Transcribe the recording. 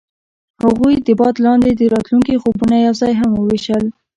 هغوی د باد لاندې د راتلونکي خوبونه یوځای هم وویشل.